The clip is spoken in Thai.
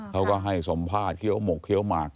เขาก็ให้สัมภาษณ์เคี้ยวหมกเคี้ยวหมาก